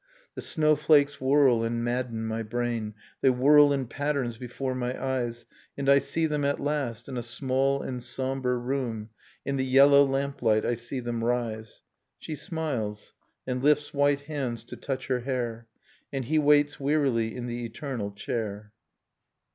The snowflakes whirl and madden my brain, They whirl in patterns before my eyes ... And I see them at last in a small and sombre room. In the yellow lamplight I see them rise; She smiles, and lifts white hands to touch her hair: And he waits wearily in the eternal chair.